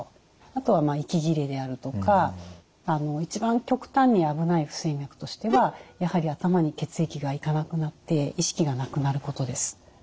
あとは息切れであるとか一番極端に危ない不整脈としてはやはり頭に血液が行かなくなって意識がなくなることです。